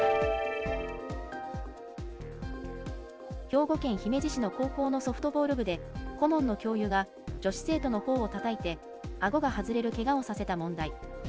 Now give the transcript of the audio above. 兵庫県姫路市の高校のソフトボール部で、顧問の教諭が女子生徒のほおをたたいて、あごが外れるけがをさせた問題。